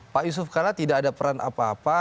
pak yusuf kalla tidak ada peran apa apa